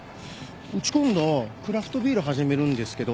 うち今度クラフトビール始めるんですけど。